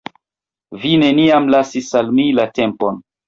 Vi neniam lasis al mi la tempon.